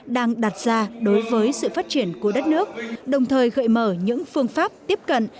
đang đặt ra đối với sự phát triển của đất nước đồng thời gợi mở những phương pháp tiếp cận